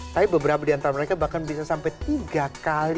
tapi beberapa di antara mereka bahkan bisa sampai tiga kali